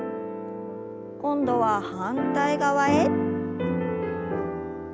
今度は反対側へ。